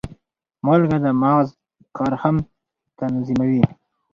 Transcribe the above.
مالګه د مغز کار هم تنظیموي.